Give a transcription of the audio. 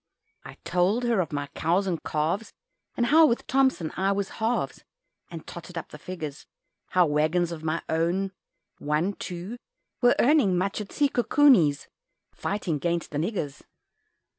I told her of my cows and calves, And how with Thomson I was "halves," And totted up the figures How waggons of my own, one, two, Were earning much at Se coo coo Ni's, fighting 'gainst the niggers.